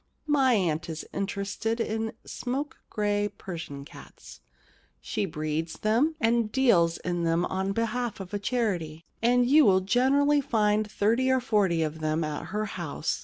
My aunt is interested in smoke gray Persian cats. She breeds them and deals in them on behalf of a charity, and 39 The Problem Club you will generally find thirty or forty of them at her house.